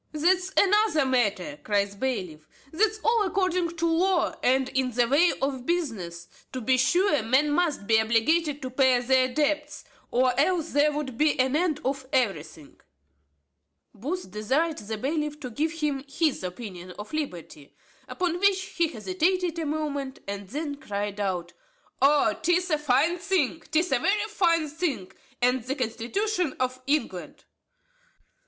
"That's another matter," cries the bailiff; "that's all according to law, and in the way of business. To be sure, men must be obliged to pay their debts, or else there would be an end of everything." Booth desired the bailiff to give him his opinion on liberty. Upon which, he hesitated a moment, and then cried out, "O 'tis a fine thing, 'tis a very fine thing, and the constitution of England."